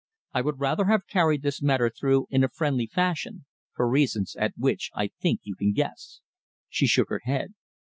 I would rather have carried this matter through in a friendly fashion, for reasons at which I think you can guess." She shook her head.